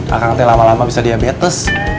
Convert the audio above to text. akang teh lama lama bisa diabetes